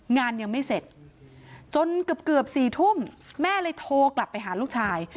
งานยังไม่เสร็จจนเกือบ๔ทุ่มแม่เลยโทรกลับไปหาลูกชาย